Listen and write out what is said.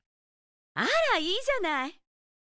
あらいいじゃない！